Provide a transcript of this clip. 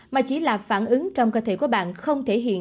mà chỉ là phản ứng trong cơ thể của bạn không thể hiện